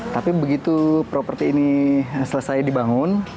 tapi begitu properti ini selesai dibangun